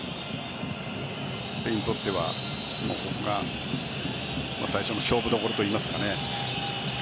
スペインにとってはここが最初の勝負どころといいますか。